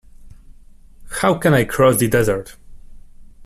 How can I cross the desert?